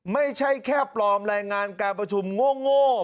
ไม่ใช่แค่ปลอมรายงานการประชุมโง่